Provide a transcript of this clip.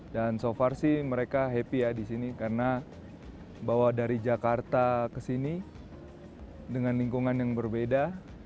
dan sejauh ini mereka senang di sini karena bawa dari jakarta ke sini dengan lingkungan yang berbeda